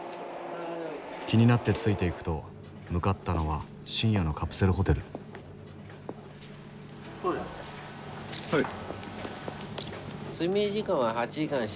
気になってついていくと向かったのは深夜のカプセルホテルはい。